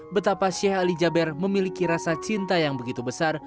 betapa sheikh ali jaber memiliki rasa cinta yang begitu besar